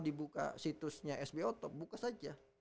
dibuka situsnya sbo top buka saja